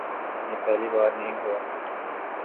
یہ پہلی بار نہیں ہوا۔